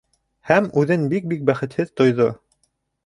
Һәм үҙен бик-бик бәхетһеҙ тойҙо.